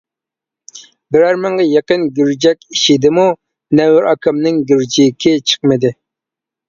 بىرەر مىڭغا يېقىن گۈرجەك ئىچىدىمۇ نەۋرە ئاكامنىڭ گۈرجىكى چىقمىدى.